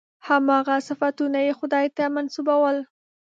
هماغه صفتونه یې خدای ته منسوبول.